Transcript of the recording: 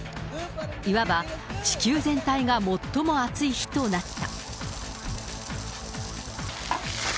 いわば地球全体が最も暑い日となった。